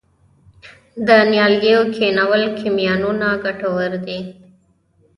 د نیالګیو کینول کمپاینونه ګټور دي؟